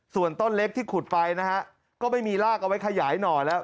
ส่วนต้นเล็กที่ขุดไปนะฮะก็ไม่มีรากเอาไว้ขยายหน่อแล้ว